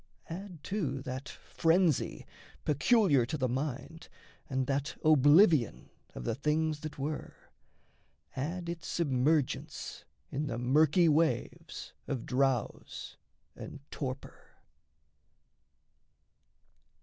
Add, too, that frenzy, peculiar to the mind, And that oblivion of the things that were; Add its submergence in the murky waves Of drowse and torpor.